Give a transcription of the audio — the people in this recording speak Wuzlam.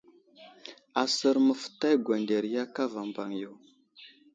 Asər məftay gwanderiya kava mbaŋ yo.